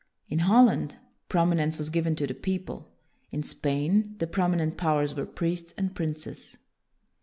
In Holland, promi nence was given to the people; in Spain, the prominent powers were priests and princes.